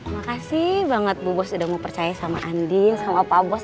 makasih banget bu bos udah mau percaya sama andin sama pak bos